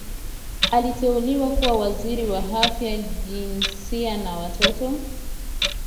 Aliteuliwa kuwa waziri wa Afya Jinsia na Watoto